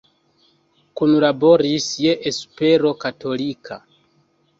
Kunlaboris je Espero Katolika.